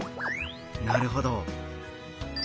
なるほど。